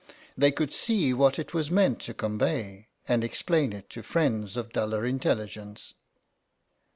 They could see what it was meant to convey, and explain it to friends of duller intelligence.